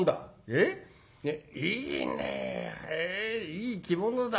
いい着物だ。